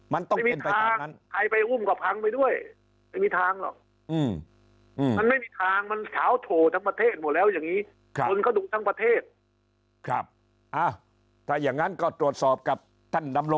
มันต้องเป็นไปตามนั้นไม่มีทางใครไปอุ้มกระพังไปด้วย